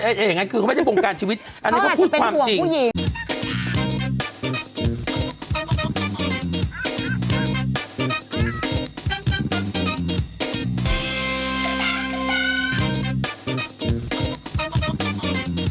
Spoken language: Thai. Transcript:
อย่างนั้นคือเขาไม่ได้บงการชีวิตอันนี้เขาพูดความจริงผู้หญิง